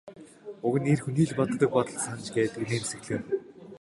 Уг нь эр хүний л боддог бодол санж гээд инээмсэглэв.